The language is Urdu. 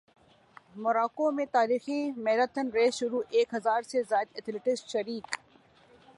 موراکو میں تاریخی میراتھن ریس شروع ایک ہزار سے زائد ایتھلیٹس شریک